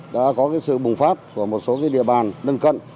đã có sự bùng phát của một số địa bàn lân cận